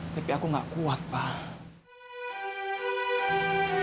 tapi aku gak kuat pak